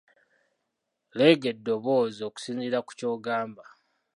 Leega eddoboozi okusinziira ku ky'ogamba .